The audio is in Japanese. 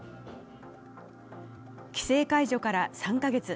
規制解除から３カ月。